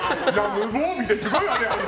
無防備ってすごいわね。